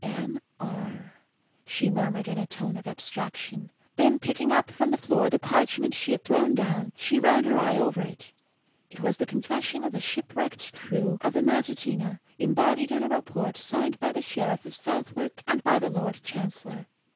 "Anne R," she murmured in a tone of abstraction. Then picking up from the floor the parchment she had thrown down, she ran her eye over it. It was the confession of the shipwrecked crew of the Matutina, embodied in a report signed by the sheriff of Southwark and by the lord chancellor.